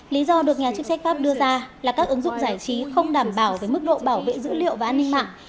lý do được nhà chức trách pháp đưa ra là các ứng dụng giải trí không đảm bảo với mức độ bảo vệ dữ liệu và an ninh mạng